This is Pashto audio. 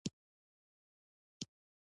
نور برجونه ترې وړاندې وړاندې وو.